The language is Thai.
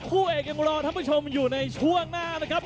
คู่เอกยังรอท่านผู้ชมอยู่ในช่วงหน้านะครับ